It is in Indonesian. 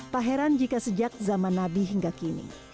tak heran jika sejak zaman nabi hingga kini